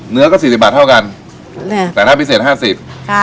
เนื้อก็สี่สิบบาทเท่ากันแต่ถ้าพิเศษห้าสิบค่ะ